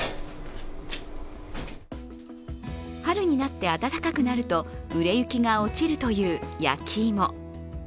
春になって暖かくなると売れ行きが落ちるという焼き芋。